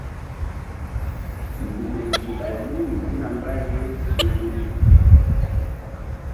Nzukri yih ɓay lu riŋ ɗina mbay ye lu-lu.